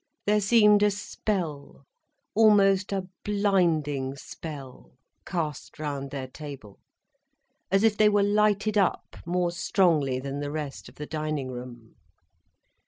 There seemed a spell, almost a blinding spell, cast round their table, as if they were lighted up more strongly than the rest of the dining room.